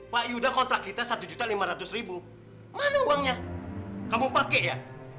pak yuda kontrak kita rp satu lima ratus mana uangnya kamu pakai ya